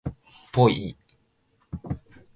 ぽい